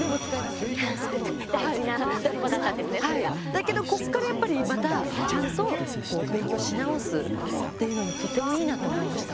だけどここからやっぱり、またちゃんと勉強し直すっていうのにとてもいいなと思いました。